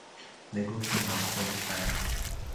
The group winner would qualify.